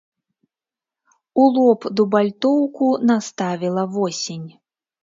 У лоб дубальтоўку наставіла восень.